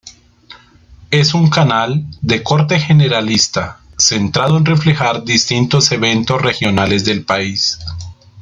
Es un canal de corte generalista, centrado en reflejar distintos eventos regionales del país.